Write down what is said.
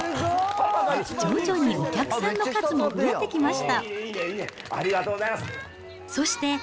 徐々にお客さんの数も増えてきました。